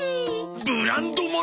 ブランドもの！？